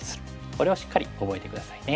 これをしっかり覚えて下さいね。